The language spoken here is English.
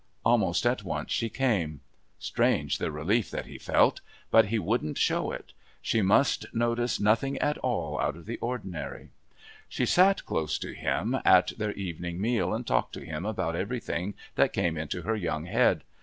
Almost at once she came. Strange the relief that he felt! But he wouldn't show it. She must notice nothing at all out of the ordinary. She sat close to him at their evening meal and talked to him about everything that came into her young head.